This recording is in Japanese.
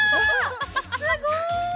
すごい！